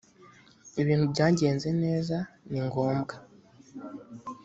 ibintu byagenze neza ni ngombwa